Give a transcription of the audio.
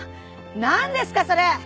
なんですかそれ！